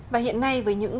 và hiện nay với những